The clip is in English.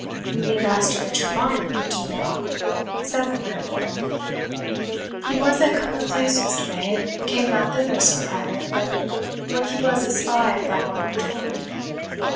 "You mean Master Richard Varney, do you not?" said the landlord; "he was at Cumnor Place yesterday, and came not thither so private but what he was espied by one who told me."